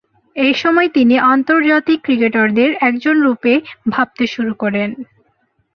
এ সময়ই তিনি নিজেকে আন্তর্জাতিক ক্রিকেটারদের একজনরূপে ভাবতে শুরু করেন।